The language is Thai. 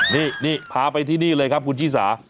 นี่พาไปที่นี่เลยครับคุณชิสา